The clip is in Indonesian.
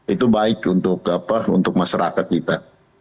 itu baik untuk apa untuk masyarakat kita